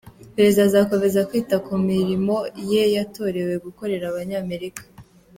Perezida azakomeza kwita ku mirimo ye yatorewe gukorera Abanyamerika.